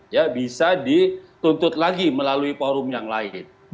ya bisa dituntut lagi melalui forum yang lain